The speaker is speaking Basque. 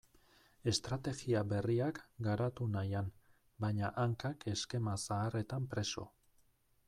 Estrategia berriak garatu nahian, baina hankak eskema zaharretan preso.